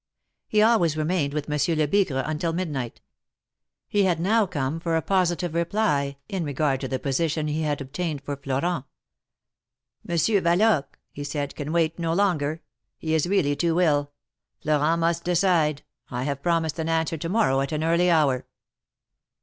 He always remained with Monsieur Lebigre until midnight. He had now come for a positive reply, in regard to the position he had obtained for Florent. ''Monsieur Valoque,^^ he said, "can wait no longer; he is really too ill. Florent must decide. I have promised an answer to morrow at an early hour."